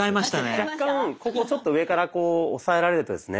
若干ここちょっと上から押さえられるとですね